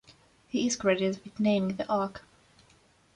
He is credited with naming the arc.